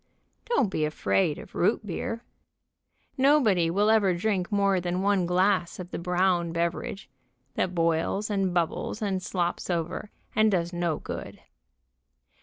Don't be afraid of root beer. Nobody will ever drink more than one glass of the brown beverage, that boils and bubbles, and slops over, and does no good.